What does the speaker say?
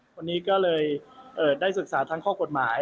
วันนี้ก็เลยได้ศึกษาทั้งข้อกฎหมาย